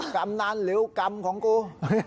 กำนันหรือกรรมของกู